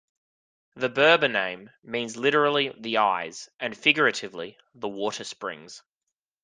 The Berber name means literally "the eyes" and figuratively "the water springs".